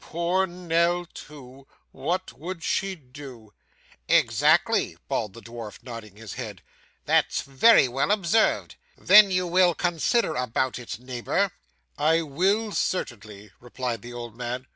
'Poor Nell too, what would she do?' 'Exactly,' bawled the dwarf nodding his head; 'that's very well observed. Then will you consider about it, neighbour?' 'I will, certainly,' replied the old man.